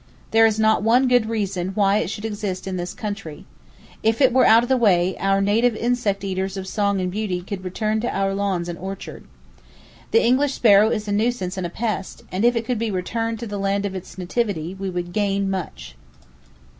There is not one good reason why it should exist in this country. If it were out of the way, our native insect eaters of song and beauty could return to our lawns and orchards. The English sparrow is a nuisance and a pest, and if it could be returned to the land of its nativity we would gain much.